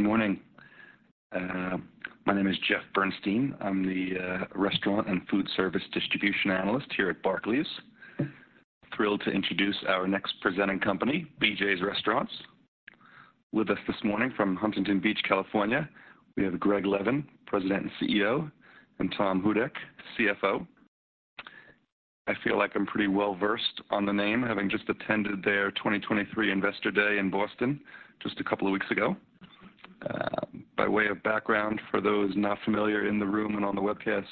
Good morning. My name is Jeff Bernstein. I'm the restaurant and food service distribution analyst here at Barclays. Thrilled to introduce our next presenting company, BJ's Restaurants. With us this morning from Huntington Beach, California, we have Greg Levin, President and CEO, and Tom Houdek, CFO. I feel like I'm pretty well-versed on the name, having just attended their 2023 Investor Day in Boston just a couple of weeks ago. By way of background, for those not familiar in the room and on the webcast,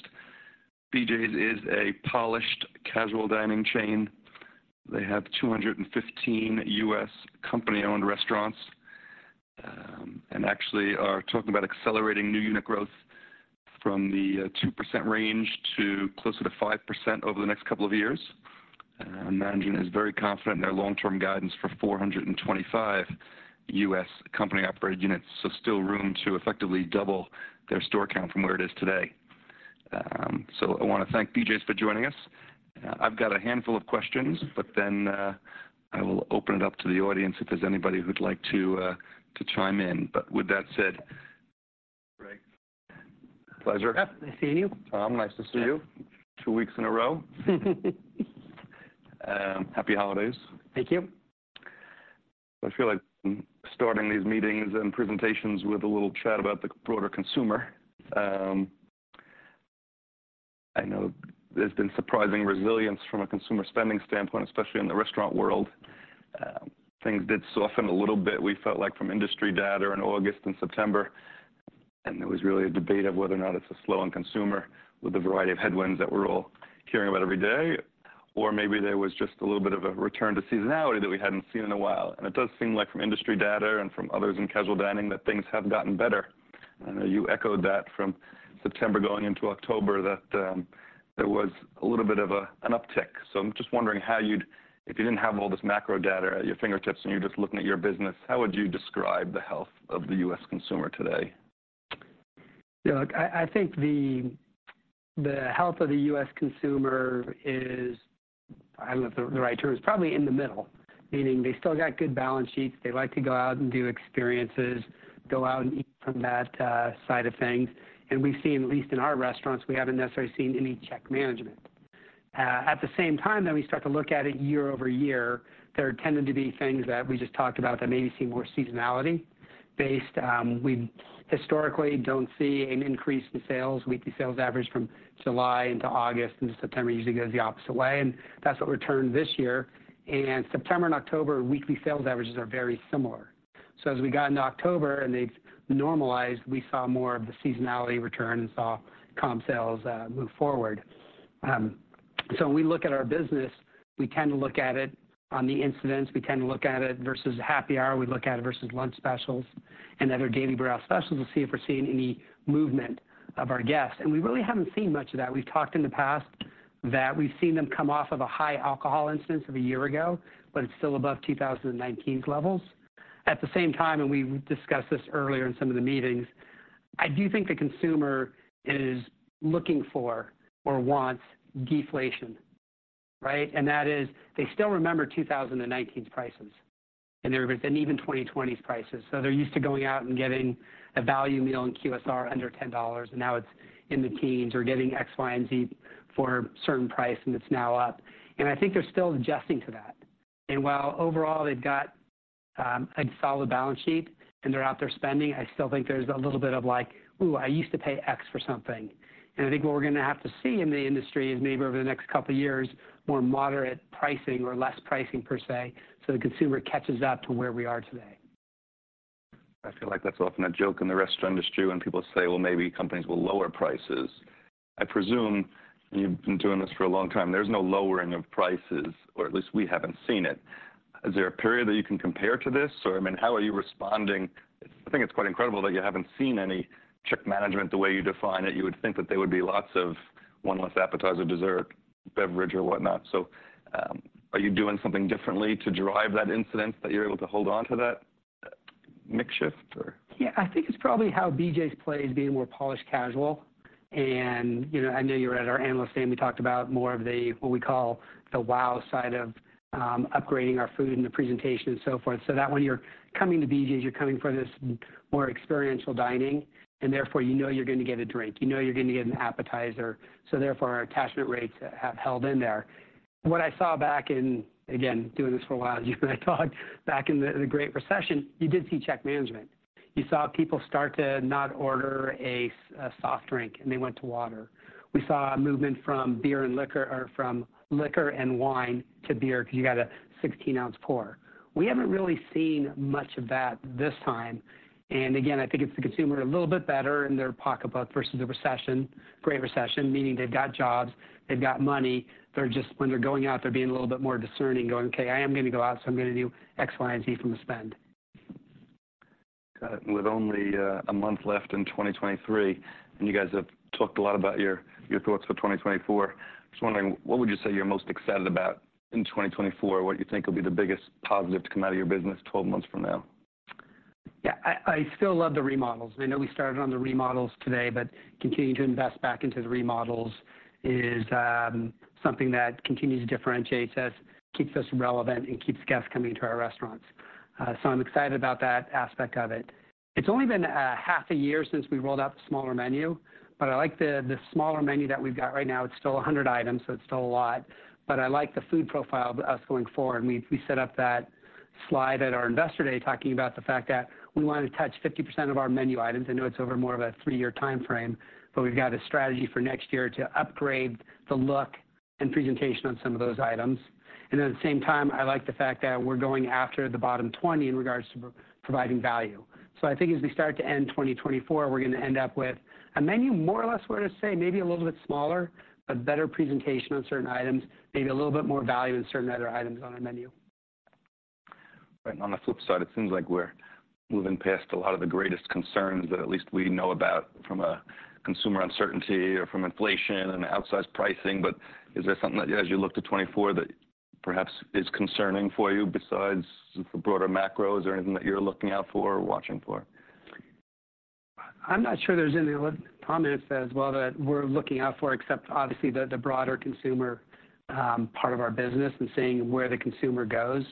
BJ's is a polished casual dining chain. They have 215 U.S. company-owned restaurants, and actually are talking about accelerating new unit growth from the 2% range to closer to 5% over the next couple of years. Management is very confident in their long-term guidance for 425 U.S. company-operated units, so still room to effectively double their store count from where it is today. I wanna thank BJ's for joining us. I've got a handful of questions, but then, I will open it up to the audience if there's anybody who'd like to chime in. With that said, Greg, pleasure. Yep, nice seeing you. Tom, nice to see you- Yeah. - two weeks in a row. Happy holidays. Thank you. I feel like starting these meetings and presentations with a little chat about the broader consumer. I know there's been surprising resilience from a consumer spending standpoint, especially in the restaurant world. Things did soften a little bit, we felt like from industry data in August and September, and there was really a debate of whether or not it's a slowing consumer with a variety of headwinds that we're all hearing about every day. Or maybe there was just a little bit of a return to seasonality that we hadn't seen in a while. And it does seem like from industry data and from others in casual dining, that things have gotten better. I know you echoed that from September going into October, that there was a little bit of an uptick. So I'm just wondering how you'd, if you didn't have all this macro data at your fingertips and you're just looking at your business, how would you describe the health of the U.S. consumer today? Yeah, look, I think the health of the U.S. consumer is, I don't know if the right term, is probably in the middle. Meaning, they still got good balance sheets. They like to go out and do experiences, go out and eat from that side of things. And we've seen, at least in our restaurants, we haven't necessarily seen any check management. At the same time, then we start to look at it year-over-year, there tended to be things that we just talked about that maybe seem more seasonality based. We historically don't see an increase in sales. Weekly Sales Average from July into August into September usually goes the opposite way, and that's what returned this year. And September and October, Weekly Sales Averages are very similar. So as we got into October and they normalized, we saw more of the seasonality return and saw comp sales move forward. So when we look at our business, we tend to look at it on the incidence. We tend to look at it versus happy hour. We look at it versus lunch specials and other daily brew specials to see if we're seeing any movement of our guests. And we really haven't seen much of that. We've talked in the past that we've seen them come off of a high alcohol incidence of a year ago, but it's still above 2019's levels. At the same time, and we discussed this earlier in some of the meetings, I do think the consumer is looking for or wants deflation, right? That is, they still remember 2019's prices, and they're, and even 2020's prices. So they're used to going out and getting a value meal in QSR under $10, and now it's in the teens, or getting X, Y, and Z for a certain price, and it's now up. And I think they're still adjusting to that. And while overall they've got a solid balance sheet and they're out there spending, I still think there's a little bit of like, "Ooh, I used to pay X for something." And I think what we're gonna have to see in the industry is maybe over the next couple of years, more moderate pricing or less pricing, per se, so the consumer catches up to where we are today. I feel like that's often a joke in the restaurant industry when people say, "Well, maybe companies will lower prices." I presume you've been doing this for a long time. There's no lowering of prices, or at least we haven't seen it. Is there a period that you can compare to this? Or, I mean, how are you responding... I think it's quite incredible that you haven't seen any check management the way you define it. You would think that there would be lots of one less appetizer, dessert, beverage or whatnot. So, are you doing something differently to drive that incentive that you're able to hold on to that, mix shift, or? Yeah, I think it's probably how BJ's plays being more polished, casual. And, you know, I know you were at our analyst day, and we talked about more of the, what we call, the wow side of, upgrading our food and the presentation and so forth. So that when you're coming to BJ's, you're coming for this more experiential dining, and therefore, you know you're gonna get a drink. You know you're gonna get an appetizer, so therefore, our attachment rates have held in there. What I saw back in, again, doing this for a while, you and I talked, back in the Great Recession, you did see check management. You saw people start to not order a soft drink, and they went to water. We saw a movement from beer and liquor, or from liquor and wine to beer, because you got a 16 oz pour. We haven't really seen much of that this time. And again, I think it's the consumer a little bit better in their pocketbook versus the recession, Great Recession, meaning they've got jobs, they've got money. They're just, when they're going out, they're being a little bit more discerning, going, "Okay, I am gonna go out, so I'm gonna do X, Y, and Z from the spend. Got it. With only a month left in 2023, and you guys have talked a lot about your, your thoughts for 2024. Just wondering, what would you say you're most excited about in 2024? What you think will be the biggest positive to come out of your business 12 months from now? Yeah. I still love the remodels. I know we started on the remodels today, but continuing to invest back into the remodels is something that continues to differentiates us, keeps us relevant, and keeps guests coming to our restaurants. So I'm excited about that aspect of it. It's only been half a year since we rolled out the smaller menu, but I like the smaller menu that we've got right now. It's still 100 items, so it's still a lot, but I like the food profile of us going forward. We set up that slide at our Investor Day, talking about the fact that we wanna touch 50% of our menu items. I know it's over more of a three-year timeframe, but we've got a strategy for next year to upgrade the look and presentation on some of those items. And then, at the same time, I like the fact that we're going after the bottom 20 in regards to providing value. So I think as we start to end 2024, we're gonna end up with a menu, more or less, we're to say maybe a little bit smaller, but better presentation on certain items, maybe a little bit more value in certain other items on our menu. Right. On the flip side, it seems like we're moving past a lot of the greatest concerns that at least we know about from a consumer uncertainty or from inflation and outsized pricing. But is there something that, as you look to 2024, that perhaps is concerning for you besides the broader macros or anything that you're looking out for or watching for? I'm not sure there's anything. Tom mentioned it as well, that we're looking out for, except obviously the broader consumer part of our business and seeing where the consumer goes.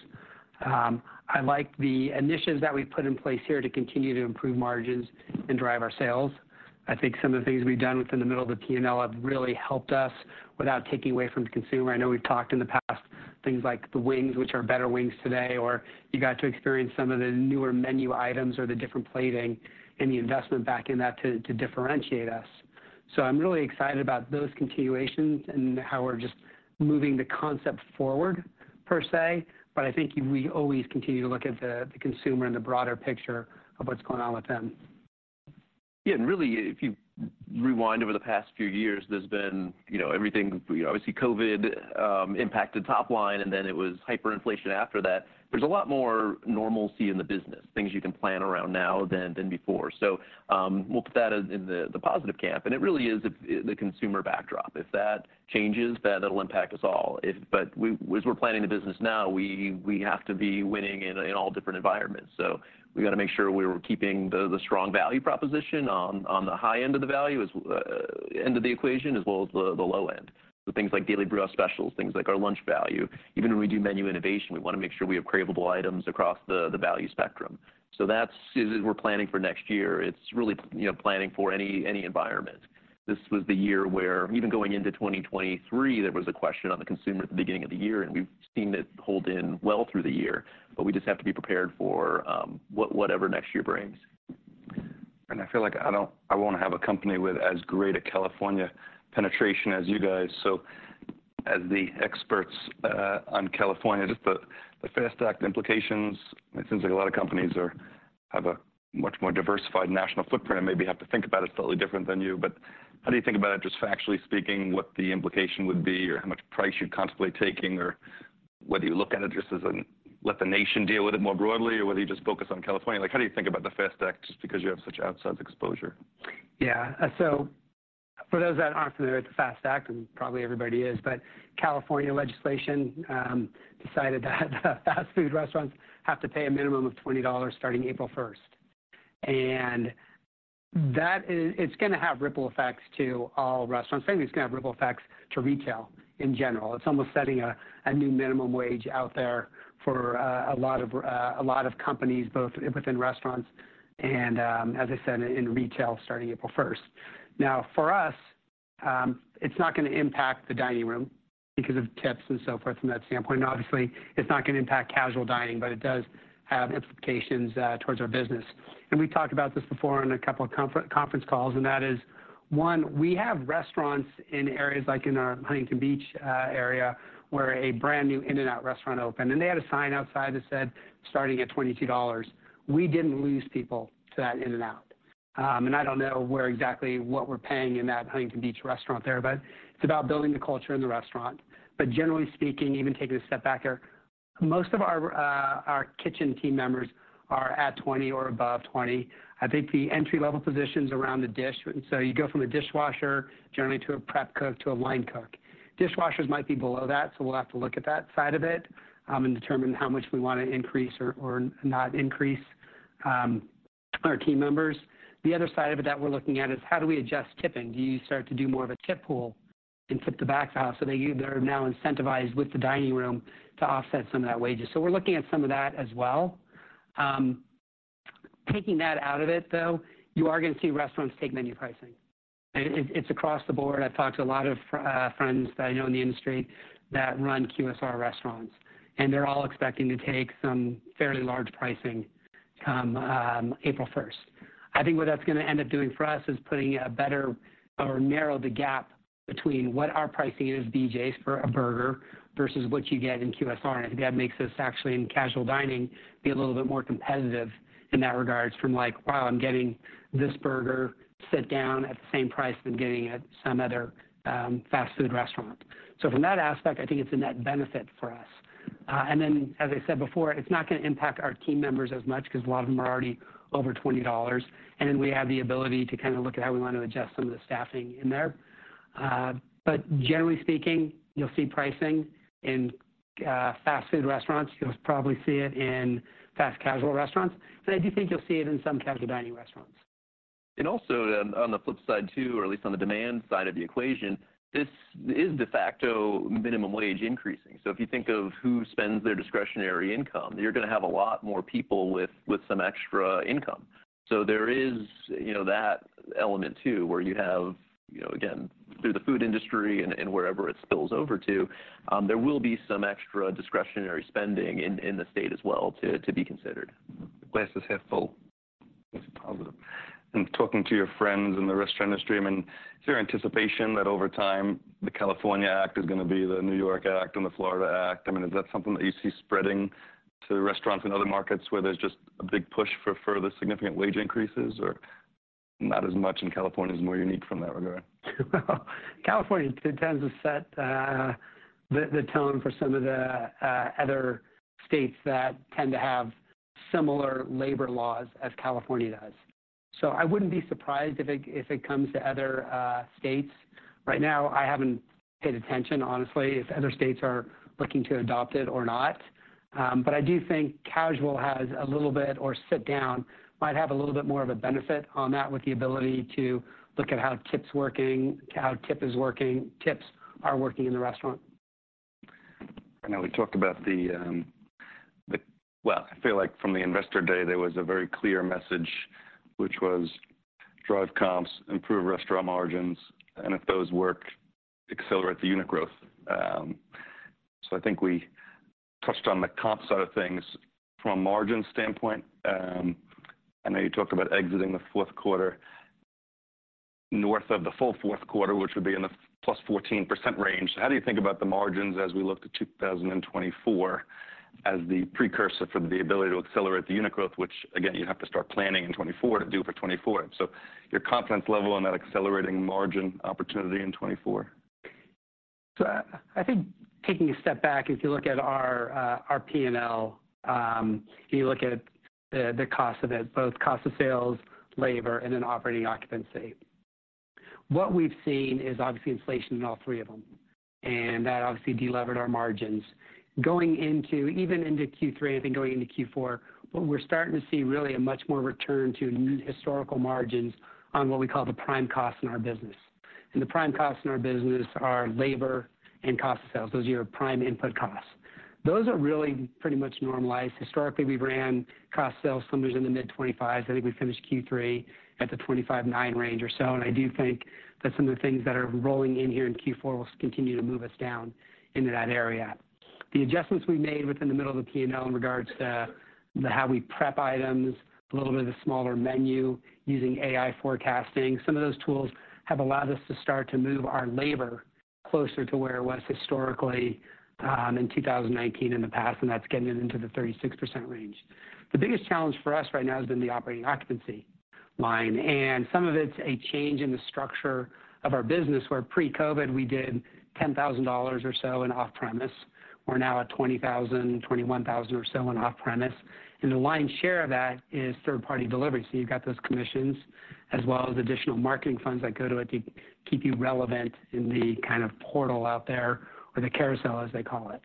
I like the initiatives that we've put in place here to continue to improve margins and drive our sales. I think some of the things we've done within the middle of the P&L have really helped us without taking away from the consumer. I know we've talked in the past, things like the wings, which are better wings today, or you got to experience some of the newer menu items or the different plating and the investment back in that to differentiate us. So I'm really excited about those continuations and how we're just moving the concept forward, per se. But I think we always continue to look at the consumer and the broader picture of what's going on with them. Yeah, and really, if you rewind over the past few years, there's been, you know, everything. Obviously, COVID impacted top line, and then it was hyperinflation after that. There's a lot more normalcy in the business, things you can plan around now than before. So, we'll put that in the positive camp, and it really is the consumer backdrop. If that changes, then it'll impact us all. But as we're planning the business now, we have to be winning in all different environments. So we've got to make sure we're keeping the strong value proposition on the high end of the value end of the equation, as well as the low end. So things like Daily Brew specials, things like our lunch value. Even when we do menu innovation, we wanna make sure we have craveable items across the value spectrum. So that's, as we're planning for next year, it's really, you know, planning for any environment. This was the year where even going into 2023, there was a question on the consumer at the beginning of the year, and we've seen it hold in well through the year. But we just have to be prepared for whatever next year brings. I feel like I don't. I wanna have a company with as great a California penetration as you guys. So as the experts on California, just the FAST Act implications, it seems like a lot of companies have a much more diversified national footprint and maybe have to think about it slightly different than you. But how do you think about it, just factually speaking, what the implication would be or how much price you'd contemplate taking? Or whether you look at it just as a let the nation deal with it more broadly, or whether you just focus on California. Like, how do you think about the FAST Act, just because you have such outsized exposure? Yeah. So for those that aren't familiar with the FAST Act, and probably everybody is, but California legislation decided that the fast-food restaurants have to pay a minimum of $20 starting April 1st. And that is—it's gonna have ripple effects to all restaurants. Certainly, it's gonna have ripple effects to retail in general. It's almost setting a new minimum wage out there for a lot of companies, both within restaurants and, as I said, in retail starting April 1st. Now, for us, it's not gonna impact the dining room because of tips and so forth from that standpoint. Obviously, it's not gonna impact casual dining, but it does have implications towards our business. And we talked about this before in a couple of conference calls, and that is, one, we have restaurants in areas like in our Huntington Beach area, where a brand-new In-N-Out restaurant opened, and they had a sign outside that said, "Starting at $22." We didn't lose people to that In-N-Out. And I don't know where exactly what we're paying in that Huntington Beach restaurant there, but it's about building the culture in the restaurant. But generally speaking, even taking a step back here, most of our kitchen team members are at 20 or above 20. I think the entry-level positions around the dish, so you go from a dishwasher generally to a prep cook to a line cook. Dishwashers might be below that, so we'll have to look at that side of it, and determine how much we wanna increase or, or not increase, our team members. The other side of it that we're looking at is: How do we adjust tipping? Do you start to do more of a tip pool and tip the back house, so they're now incentivized with the dining room to offset some of that wages? So we're looking at some of that as well. Taking that out of it, though, you are gonna see restaurants take menu pricing. It, it's across the board. I've talked to a lot of friends that I know in the industry that run QSR restaurants, and they're all expecting to take some fairly large pricing come, April 1st. I think what that's gonna end up doing for us is putting a better or narrow the gap between what our pricing is, BJ's, for a burger versus what you get in QSR, and I think that makes us actually, in casual dining, be a little bit more competitive in that regard from like, "Wow, I'm getting this burger sit down at the same price that I'm getting at some other, fast-food restaurant." So from that aspect, I think it's a net benefit for us. And then, as I said before, it's not gonna impact our team members as much because a lot of them are already over $20, and then we have the ability to kind of look at how we want to adjust some of the staffing in there. But generally speaking, you'll see pricing in fast-food restaurants. You'll probably see it in fast-casual restaurants, but I do think you'll see it in some casual dining restaurants.... And also, on the flip side, too, or at least on the demand side of the equation, this is de facto minimum wage increasing. So if you think of who spends their discretionary income, you're gonna have a lot more people with some extra income. So there is, you know, that element, too, where you have, you know, again, through the food industry and wherever it spills over to, there will be some extra discretionary spending in the state as well to be considered. Glass is half full. It's positive. Talking to your friends in the restaurant industry, I mean, is there anticipation that over time, the California Act is gonna be the New York Act and the Florida Act? I mean, is that something that you see spreading to restaurants in other markets where there's just a big push for further significant wage increases, or not as much, and California is more unique from that regard? California tends to set the tone for some of the other states that tend to have similar labor laws as California does. So I wouldn't be surprised if it comes to other states. Right now, I haven't paid attention, honestly, if other states are looking to adopt it or not. But I do think casual has a little bit, or sit down, might have a little bit more of a benefit on that with the ability to look at how tips working, how tip is working, tips are working in the restaurant. I know we talked about. Well, I feel like from the Investor Day, there was a very clear message, which was drive comps, improve restaurant margins, and if those work, accelerate the unit growth. So I think we touched on the comp side of things. From a margin standpoint, I know you talked about exiting the fourth quarter north of the full fourth quarter, which would be in the +14% range. How do you think about the margins as we look to 2024 as the precursor for the ability to accelerate the unit growth, which, again, you'd have to start planning in 2024 to do for 2024? So your confidence level on that accelerating margin opportunity in 2024. So I think taking a step back, if you look at our P&L, if you look at the cost of it, both cost of sales, labor, and then operating occupancy. What we've seen is obviously inflation in all three of them, and that obviously delevered our margins. Going into, even into Q3, I think going into Q4, what we're starting to see really a much more return to historical margins on what we call the prime costs in our business. And the prime costs in our business are labor and cost of sales. Those are your prime input costs. Those are really pretty much normalized. Historically, we ran cost sales somewhere in the mid-25s. I think we finished Q3 at the 25.9% range or so, and I do think that some of the things that are rolling in here in Q4 will continue to move us down into that area. The adjustments we made within the middle of the P&L in regards to the how we prep items, a little bit of a smaller menu, using AI forecasting, some of those tools have allowed us to start to move our labor closer to where it was historically, in 2019 in the past, and that's getting it into the 36% range. The biggest challenge for us right now has been the operating occupancy line, and some of it's a change in the structure of our business, where pre-COVID, we did $10,000 or so in off-premise. We're now at 20,000, 21,000 or so in off-premise, and the lion's share of that is third-party delivery. So you've got those commissions, as well as additional marketing funds that go to it to keep you relevant in the kind of portal out there, or the carousel, as they call it.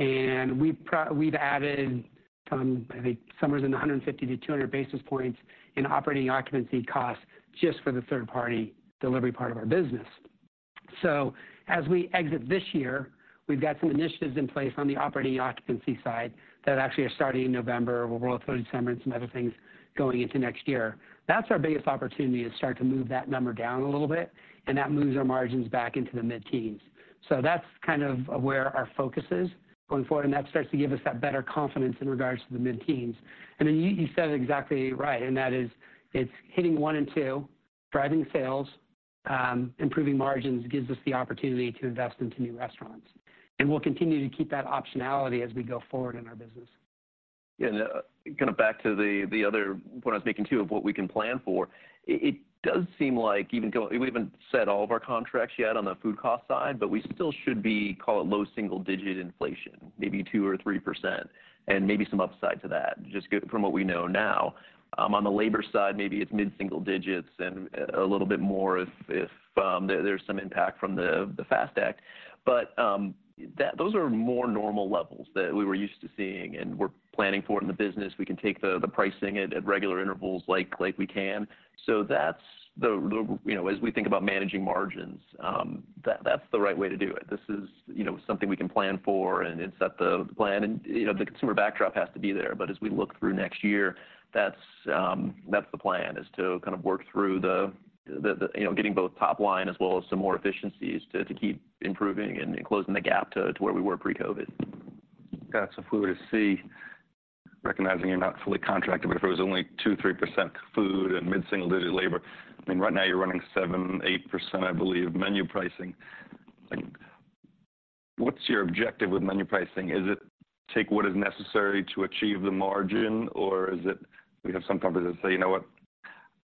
And we've added some, I think, somewhere in the 150-200 basis points in operating occupancy costs just for the third-party delivery part of our business. So as we exit this year, we've got some initiatives in place on the operating occupancy side that actually are starting in November. We'll roll through December and some other things going into next year. That's our biggest opportunity, is start to move that number down a little bit, and that moves our margins back into the mid-teens. So that's kind of where our focus is going forward, and that starts to give us that better confidence in regards to the mid-teens. And then you said it exactly right, and that is, it's hitting one and two, driving sales, improving margins, gives us the opportunity to invest into new restaurants. And we'll continue to keep that optionality as we go forward in our business. Yeah, kind of back to the other point I was making, too, of what we can plan for. It does seem like we haven't set all of our contracts yet on the food cost side, but we still should be, call it, low single digit inflation, maybe 2% or 3%, and maybe some upside to that, just from what we know now. On the labor side, maybe it's mid-single digits and a little bit more if there's some impact from the FAST Act. But those are more normal levels that we were used to seeing, and we're planning for it in the business. We can take the pricing at regular intervals like we can. So that's the, you know, as we think about managing margins, that's the right way to do it. This is, you know, something we can plan for, and it's not the plan, and, you know, the consumer backdrop has to be there. But as we look through next year, that's the plan, is to kind of work through the, you know, getting both top line as well as some more efficiencies to keep improving and closing the gap to where we were pre-COVID. Got it. So if we were to see, recognizing you're not fully contracted, but if it was only 2%-3% food and mid-single-digit labor, I mean, right now you're running 7%-8%, I believe, menu pricing. Like, what's your objective with menu pricing? Is it take what is necessary to achieve the margin, or is it... We have some companies that say: "You know what?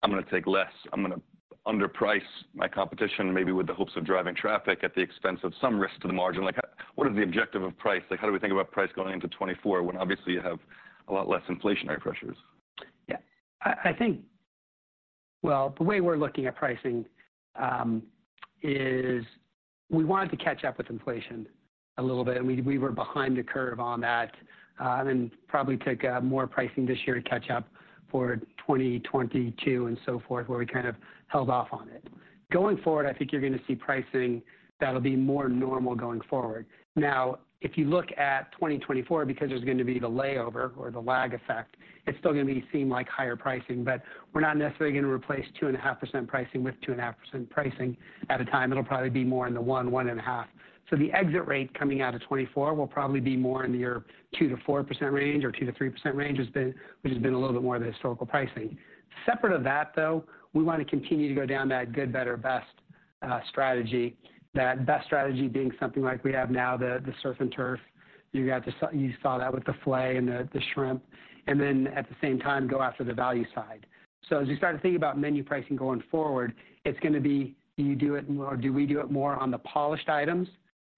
I'm gonna take less. I'm gonna underprice my competition, maybe with the hopes of driving traffic at the expense of some risk to the margin." Like, what is the objective of price? Like, how do we think about price going into 2024, when obviously you have a lot less inflationary pressures? Yeah. I think—well, the way we're looking at pricing. We wanted to catch up with inflation a little bit, and we were behind the curve on that. And then probably took more pricing this year to catch up for 2022 and so forth, where we kind of held off on it. Going forward, I think you're gonna see pricing that'll be more normal going forward. Now, if you look at 2024, because there's going to be the layover or the lag effect, it's still gonna be—seem like higher pricing, but we're not necessarily gonna replace 2.5% pricing with 2.5% pricing at a time. It'll probably be more in the 1%-1.5%. So the exit rate coming out of 2024 will probably be more in the 2%-4% range or 2%-3% range, which has been a little bit more of the historical pricing. Separate from that, though, we wanna continue to go down that good, better, best strategy. That best strategy being something like we have now, the surf and turf. You got the surf and turf you saw that with the filet and the shrimp, and then at the same time, go after the value side. So as you start to think about menu pricing going forward, it's gonna be: Do you do it more or do we do it more on the polished items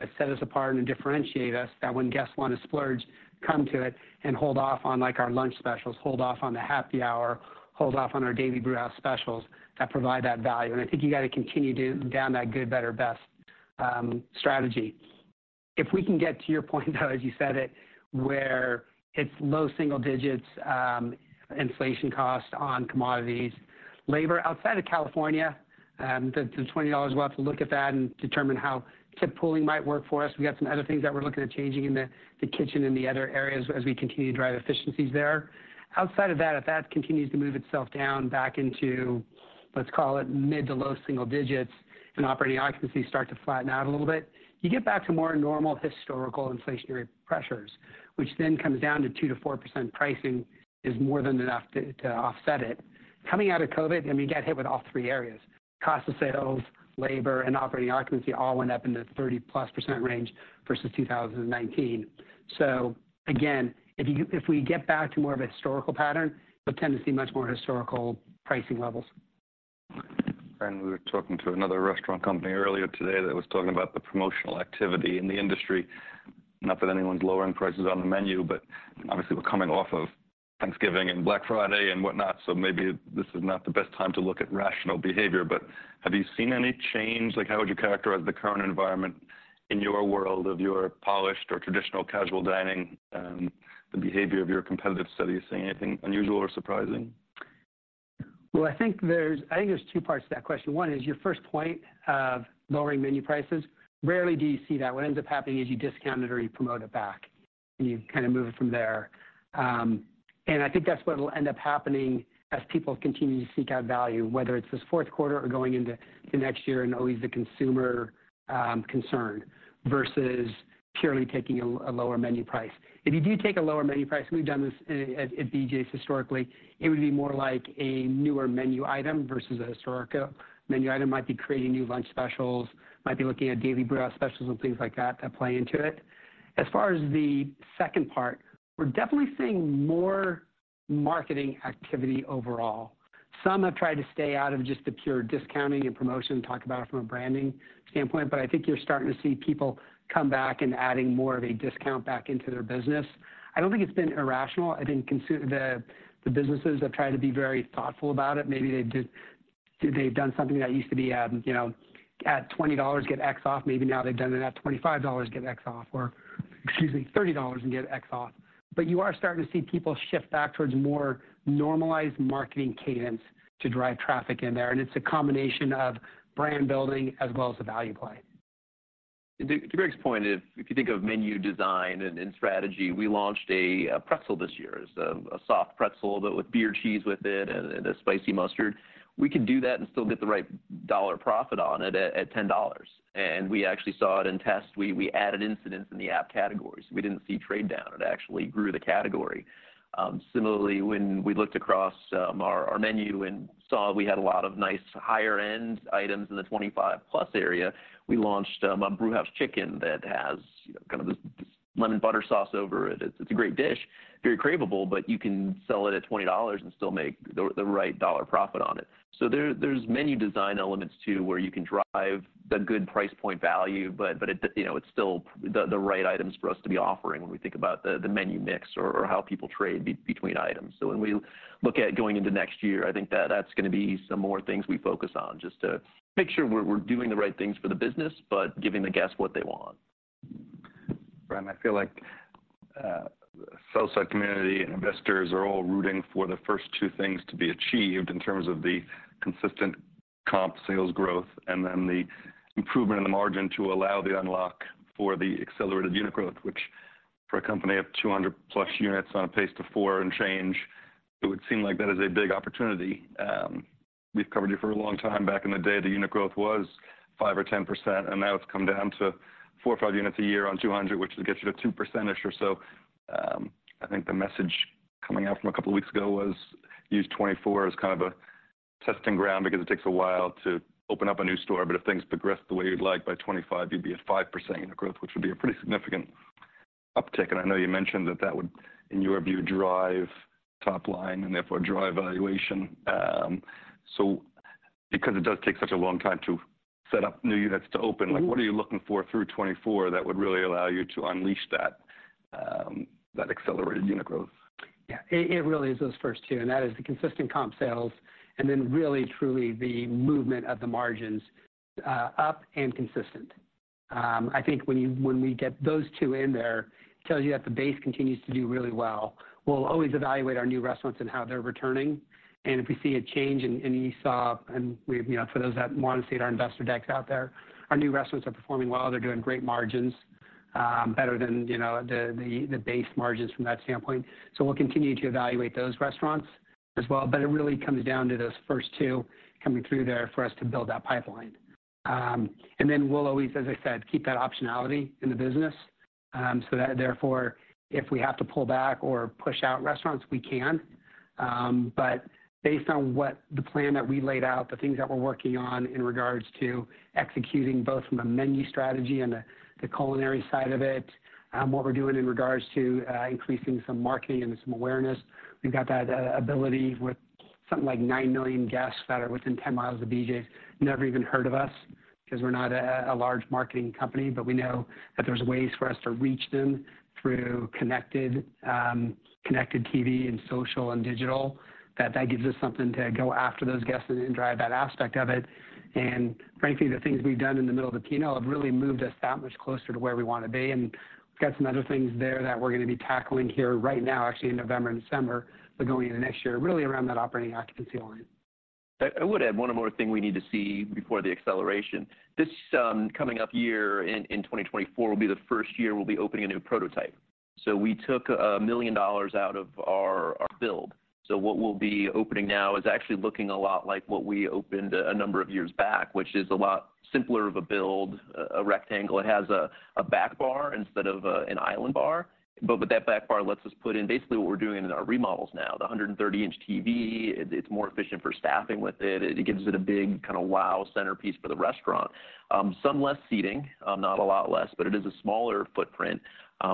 that set us apart and differentiate us, that when guests wanna splurge, come to it and hold off on, like, our lunch specials, hold off on the happy hour, hold off on our Daily Brewhouse Specials that provide that value? And I think you gotta continue down that good, better, best strategy. If we can get to your point, though, as you said it, where it's low single digits inflation cost on commodities, labor outside of California, the $20, we'll have to look at that and determine how tip pooling might work for us. We have some other things that we're looking at changing in the, the kitchen and the other areas as we continue to drive efficiencies there. Outside of that, if that continues to move itself down back into, let's call it, mid- to low-single digits, and operating occupancy starts to flatten out a little bit, you get back to more normal historical inflationary pressures, which then comes down to 2%-4% pricing, is more than enough to, to offset it. Coming out of COVID, I mean, you got hit with all three areas. Cost of sales, labor, and operating occupancy all went up in the 30%+ range versus 2019. So again, if you, if we get back to more of a historical pattern, you'll tend to see much more historical pricing levels. We were talking to another restaurant company earlier today that was talking about the promotional activity in the industry. Not that anyone's lowering prices on the menu, but obviously, we're coming off of Thanksgiving and Black Friday and whatnot, so maybe this is not the best time to look at rational behavior. But have you seen any change, like, how would you characterize the current environment in your world of your polished or traditional casual dining, the behavior of your competitive set? Are you seeing anything unusual or surprising? Well, I think there's two parts to that question. One is, your first point of lowering menu prices. Rarely do you see that. What ends up happening is you discount it or you promote it back, and you kind of move it from there. And I think that's what will end up happening as people continue to seek out value, whether it's this fourth quarter or going into the next year, and always the consumer concern versus purely taking a lower menu price. If you do take a lower menu price, and we've done this at BJ's historically, it would be more like a newer menu item versus a historical menu item. Might be creating new lunch specials, might be looking at daily brewhouse specials and things like that, that play into it. As far as the second part, we're definitely seeing more marketing activity overall. Some have tried to stay out of just the pure discounting and promotion, talk about it from a branding standpoint, but I think you're starting to see people come back and adding more of a discount back into their business. I don't think it's been irrational. I think the businesses have tried to be very thoughtful about it. Maybe they've just, they've done something that used to be, you know, at $20, get X off. Maybe now they've done it at $25, get X off, or excuse me, $30 and get X off. But you are starting to see people shift back towards more normalized marketing cadence to drive traffic in there, and it's a combination of brand building as well as the value play. To Greg's point, if you think of menu design and strategy, we launched a pretzel this year. It's a soft pretzel, but with beer cheese with it and a spicy mustard. We could do that and still get the right dollar profit on it at $10, and we actually saw it in test. We added incidents in the app categories. We didn't see trade down. It actually grew the category. Similarly, when we looked across our menu and saw we had a lot of nice higher-end items in the 25+ area, we launched a Brewhouse Chicken that has, you know, kind of this lemon butter sauce over it. It's a great dish, very craveable, but you can sell it at $20 and still make the right dollar profit on it. So there, there's menu design elements, too, where you can drive the good price point value, but it, you know, it's still the right items for us to be offering when we think about the menu mix or how people trade between items. So when we look at going into next year, I think that's gonna be some more things we focus on, just to make sure we're doing the right things for the business, but giving the guests what they want. Right, I feel like, the sell side community and investors are all rooting for the first two things to be achieved in terms of the consistent comp sales growth and then the improvement in the margin to allow the unlock for the accelerated unit growth, which for a company of 200+ units on a pace to four and change, it would seem like that is a big opportunity. We've covered you for a long time. Back in the day, the unit growth was 5% or 10%, and now it's come down to four or five units a year on 200, which will get you to 2% or so. I think the message coming out from a couple of weeks ago was use 2024 as kind of a testing ground because it takes a while to open up a new store. If things progress the way you'd like by 2025, you'd be at 5% unit growth, which would be a pretty significant uptick. And I know you mentioned that that would, in your view, drive top line and therefore drive valuation. So because it does take such a long time to set up new units to open, like, what are you looking for through 2024 that would really allow you to unleash that, that accelerated unit growth?... Yeah, it really is those first two, and that is the consistent comp sales and then really, truly the movement of the margins up and consistent. I think when we get those two in there, it tells you that the base continues to do really well. We'll always evaluate our new restaurants and how they're returning, and if we see a change in ESOP and we've, you know, for those that want to see it, our investor deck's out there. Our new restaurants are performing well. They're doing great margins, better than, you know, the base margins from that standpoint. So we'll continue to evaluate those restaurants as well, but it really comes down to those first two coming through there for us to build that pipeline. And then we'll always, as I said, keep that optionality in the business, so that therefore, if we have to pull back or push out restaurants, we can. But based on what the plan that we laid out, the things that we're working on in regards to executing both from a menu strategy and the culinary side of it, what we're doing in regards to increasing some marketing and some awareness, we've got that ability with something like 9 million guests that are within 10 mi of BJ's, never even heard of us 'cause we're not a large marketing company, but we know that there's ways for us to reach them through connected TV and social and digital, that that gives us something to go after those guests and drive that aspect of it. And frankly, the things we've done in the middle of the keynote have really moved us that much closer to where we wanna be, and we've got some other things there that we're gonna be tackling here right now, actually in November and December, but going into next year, really around that operating occupancy line. I would add one more thing we need to see before the acceleration. This coming up year in 2024 will be the first year we'll be opening a new prototype. So we took $1 million out of our build. So what we'll be opening now is actually looking a lot like what we opened a number of years back, which is a lot simpler of a build, a rectangle. It has a back bar instead of an island bar, but with that back bar lets us put in basically what we're doing in our remodels now, the 130-inch TV. It's more efficient for staffing with it. It gives it a big kind of wow centerpiece for the restaurant. Some less seating, not a lot less, but it is a smaller footprint.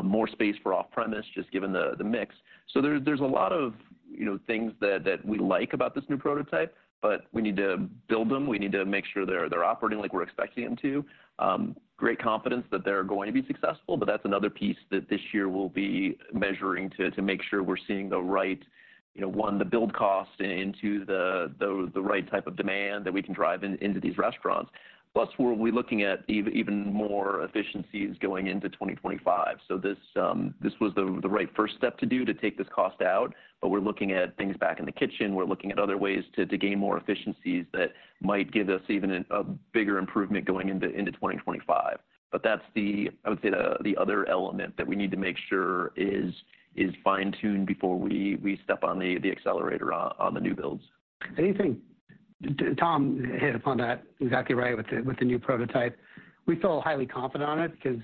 More space for off-premise, just given the mix. So there's a lot of, you know, things that we like about this new prototype, but we need to build them. We need to make sure they're operating like we're expecting them to. Great confidence that they're going to be successful, but that's another piece that this year we'll be measuring to make sure we're seeing the right, you know, one, the build cost, and two, the right type of demand that we can drive into these restaurants. Plus, we'll be looking at even more efficiencies going into 2025. So this was the right first step to do to take this cost out, but we're looking at things back in the kitchen. We're looking at other ways to gain more efficiencies that might give us even a bigger improvement going into 2025. But that's the, I would say, the other element that we need to make sure is fine-tuned before we step on the accelerator on the new builds. Tom hit upon that exactly right with the new prototype. We feel highly confident on it because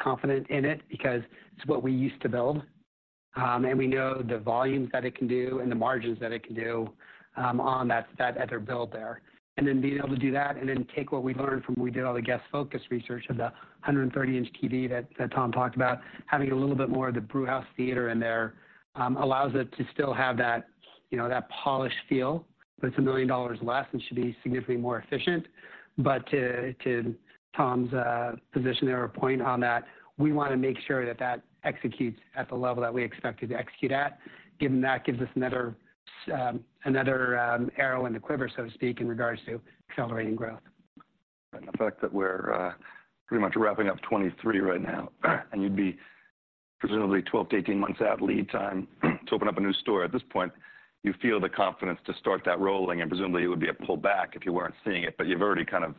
confident in it because it's what we used to build. And we know the volumes that it can do and the margins that it can do on that build there. And then being able to do that and then take what we learned from when we did all the guest focus research of the 130-inch TV that Tom talked about, having a little bit more of the brewhouse theater in there allows it to still have that, you know, that polished feel, but it's $1 million less and should be significantly more efficient. But to Tom's position or point on that, we wanna make sure that that executes at the level that we expect it to execute at, given that gives us another arrow in the quiver, so to speak, in regards to accelerating growth. The fact that we're pretty much wrapping up 2023 right now, and you'd be presumably 12-18 months out lead time to open up a new store. At this point, you feel the confidence to start that rolling, and presumably it would be a pull back if you weren't seeing it, but you've already kind of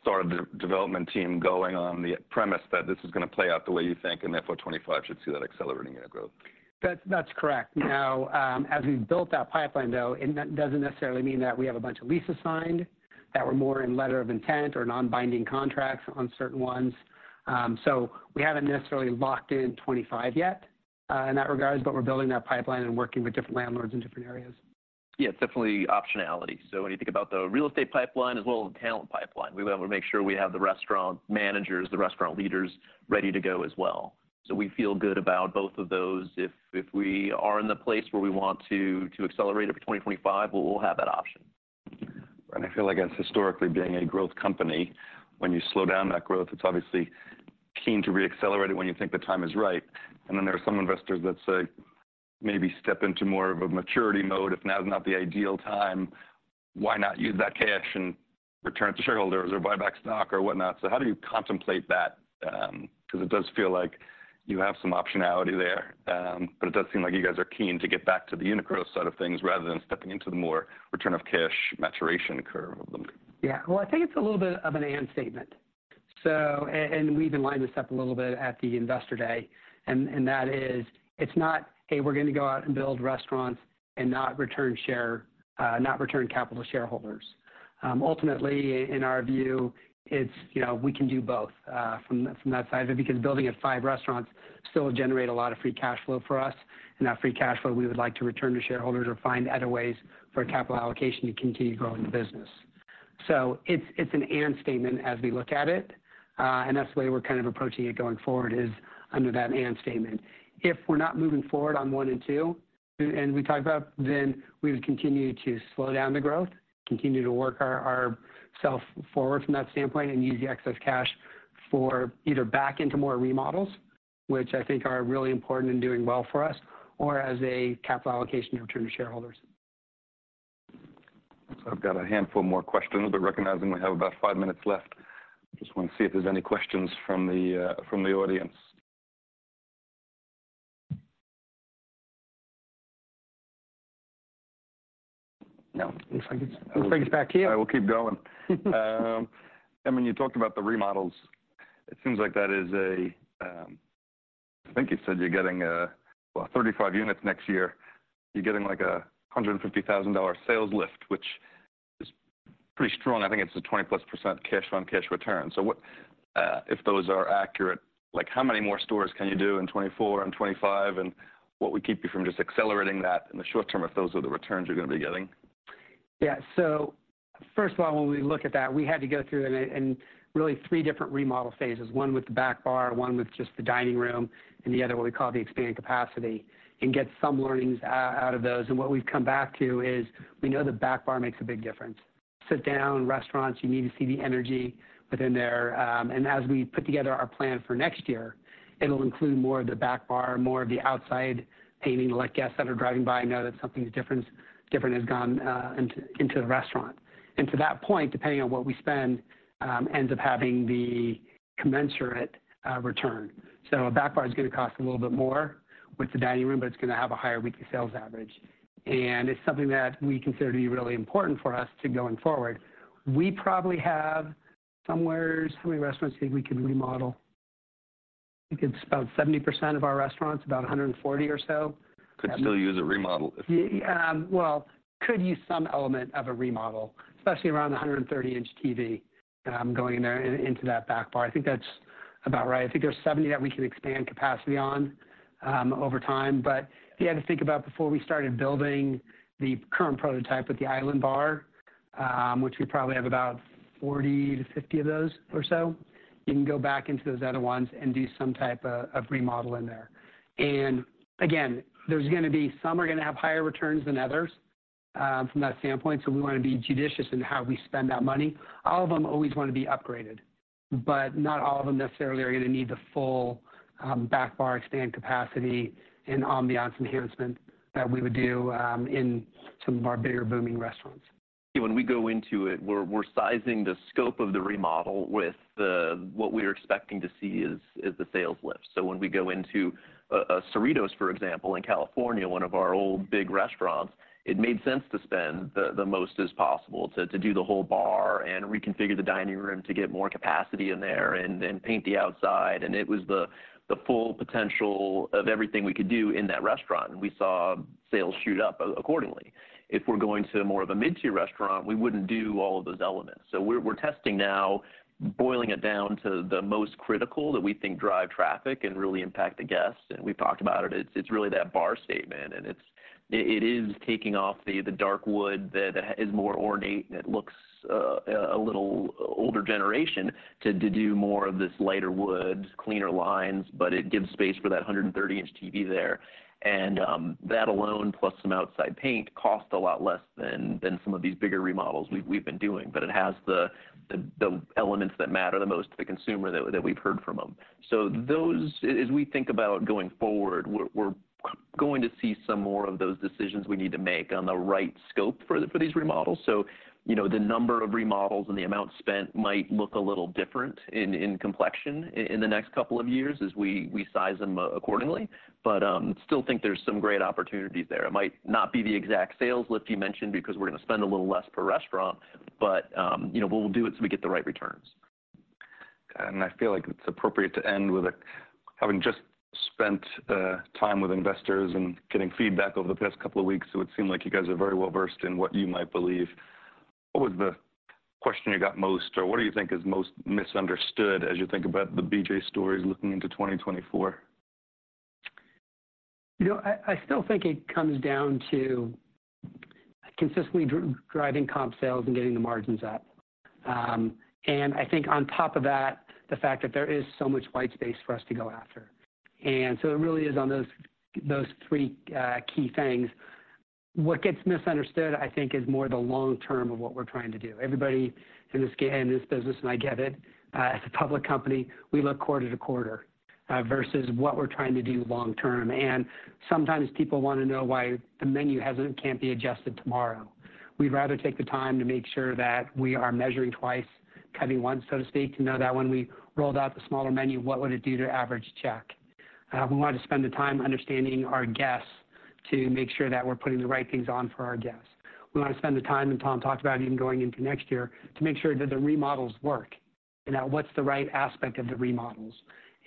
started the development team going on the premise that this is gonna play out the way you think, and therefore, 2025 should see that accelerating in our growth. That's, that's correct. Now, as we've built that pipeline, though, it doesn't necessarily mean that we have a bunch of leases signed, that we're more in letter of intent or non-binding contracts on certain ones. So we haven't necessarily locked in 25 yet, in that regards, but we're building that pipeline and working with different landlords in different areas. Yeah, it's definitely optionality. So when you think about the real estate pipeline as well as the talent pipeline, we wanna make sure we have the restaurant managers, the restaurant leaders, ready to go as well. So we feel good about both of those. If we are in the place where we want to accelerate it for 2025, we'll have that option. I feel like that's historically being a growth company. When you slow down that growth, it's obviously keen to reaccelerate it when you think the time is right. And then there are some investors that say, maybe step into more of a maturity mode. If now is not the ideal time, why not use that cash and return to shareholders or buy back stock or whatnot? So how do you contemplate that? Because it does feel like you have some optionality there, but it does seem like you guys are keen to get back to the unit growth side of things, rather than stepping into the more return of cash maturation curve of them. Yeah. Well, I think it's a little bit of an and statement. So, and, and we even lined this up a little bit at the Investor Day, and, and that is, it's not, "Hey, we're gonna go out and build restaurants and not return share, not return capital to shareholders." Ultimately, in our view, it's, you know, we can do both, from that, from that side of it, because building at five restaurants still will generate a lot of free cash flow for us, and that free cash flow, we would like to return to shareholders or find other ways for capital allocation to continue growing the business. So it's, it's an and statement as we look at it, and that's the way we're kind of approaching it going forward is under that and statement. If we're not moving forward on one and two, and we talked about, then we would continue to slow down the growth, continue to work ourselves forward from that standpoint, and use the excess cash for either back into more remodels, which I think are really important and doing well for us, or as a capital allocation and return to shareholders. So I've got a handful more questions, but recognizing we have about five minutes left, I just want to see if there's any questions from the audience. No. Looks like it's back to you. I will keep going. I mean, you talked about the remodels. It seems like that is a... I think you said you're getting, well, 35 units next year. You're getting, like, a $150,000 sales lift, which is pretty strong. I think it's a 20%+ cash-on-cash return. So what, if those are accurate, like, how many more stores can you do in 2024 and 2025? And what would keep you from just accelerating that in the short term, if those are the returns you're going to be getting? Yeah. So first of all, when we look at that, we had to go through and really three different remodel phases, one with the back bar, one with just the dining room, and the other, what we call the expanded capacity, and get some learnings out of those. And what we've come back to is, we know the back bar makes a big difference. Sit-down restaurants, you need to see the energy within there. And as we put together our plan for next year, it'll include more of the back bar, more of the outside painting, to let guests that are driving by know that something different has gone into the restaurant. And to that point, depending on what we spend, ends up having the commensurate return. So a back bar is gonna cost a little bit more with the dining room, but it's gonna have a higher weekly sales average. It's something that we consider to be really important for us to going forward. We probably have somewhere... How many restaurants think we can remodel? I think it's about 70% of our restaurants, about 140 or so. Could still use a remodel. Yeah, well, could use some element of a remodel, especially around the 130-inch TV, going in there, into that back bar. I think that's about right. I think there's 70 that we can expand capacity on, over time. But you had to think about before we started building the current prototype with the island bar, which we probably have about 40-50 of those or so. You can go back into those other ones and do some type of, of remodel in there. And again, there's gonna be some are gonna have higher returns than others, from that standpoint, so we wanna be judicious in how we spend that money. All of them always wanna be upgraded, but not all of them necessarily are gonna need the full back bar expand capacity and ambiance enhancement that we would do in some of our bigger booming restaurants. When we go into it, we're sizing the scope of the remodel with what we're expecting to see as the sales lift. So when we go into a Cerritos, for example, in California, one of our old big restaurants, it made sense to spend the most as possible, to do the whole bar and reconfigure the dining room to get more capacity in there and paint the outside. And it was the full potential of everything we could do in that restaurant, and we saw sales shoot up accordingly. If we're going to more of a mid-tier restaurant, we wouldn't do all of those elements. So we're testing now, boiling it down to the most critical that we think drive traffic and really impact the guests. And we've talked about it. It's really that bar statement, and it is taking off the dark wood that is more ornate and it looks a little older generation, to do more of this lighter woods, cleaner lines, but it gives space for that 130-inch TV there. And that alone, plus some outside paint, costs a lot less than some of these bigger remodels we've been doing. But it has the elements that matter the most to the consumer that we've heard from them. So those, as we think about going forward, we're going to see some more of those decisions we need to make on the right scope for these remodels. So, you know, the number of remodels and the amount spent might look a little different in complexion in the next couple of years as we size them accordingly, but still think there's some great opportunities there. It might not be the exact sales lift you mentioned because we're gonna spend a little less per restaurant, but you know, what we'll do is we get the right returns. And I feel like it's appropriate to end with having just spent time with investors and getting feedback over the past couple of weeks, it would seem like you guys are very well versed in what you might believe. What was the question you got most, or what do you think is most misunderstood as you think about the BJ's story looking into 2024? You know, I still think it comes down to consistently driving comp sales and getting the margins up. And I think on top of that, the fact that there is so much white space for us to go after. And so it really is on those three key things. What gets misunderstood, I think, is more the long term of what we're trying to do. Everybody in this business, and I get it, as a public company, we look quarter to quarter versus what we're trying to do long term. And sometimes people want to know why the menu can't be adjusted tomorrow. We'd rather take the time to make sure that we are measuring twice, cutting once, so to speak, to know that when we rolled out the smaller menu, what would it do to average check? We want to spend the time understanding our guests to make sure that we're putting the right things on for our guests. We wanna spend the time, and Tom talked about even going into next year, to make sure that the remodels work and that what's the right aspect of the remodels.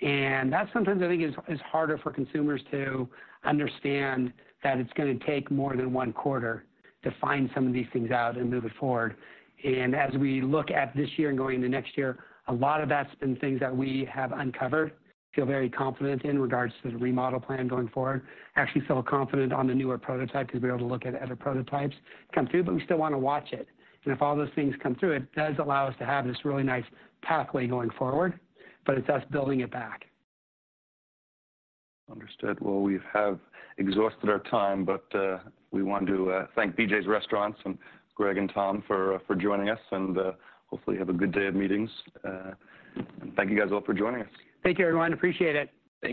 And that sometimes I think is harder for consumers to understand, that it's gonna take more than one quarter to find some of these things out and move it forward. And as we look at this year and going into next year, a lot of that's been things that we have uncovered, feel very confident in regards to the remodel plan going forward. Actually, feel confident on the newer prototype because we're able to look at other prototypes come through, but we still wanna watch it. And if all those things come through, it does allow us to have this really nice pathway going forward, but it's us building it back. Understood. Well, we have exhausted our time, but we want to thank BJ's Restaurants and Greg and Tom for joining us, and hopefully you have a good day of meetings. And thank you guys all for joining us. Thank you, everyone. Appreciate it.